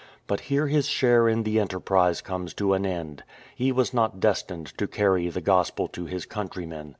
But here his share in the enterprise comes to an end. He was not destined to carry the Gospel to his countrymen.